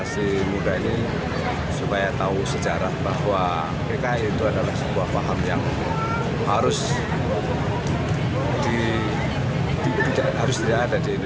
si muda ini supaya tahu sejarah bahwa pki itu adalah sebuah paham yang harus tidak ada di indonesia